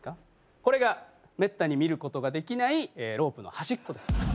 これがめったに見ることができないロープの端っこです。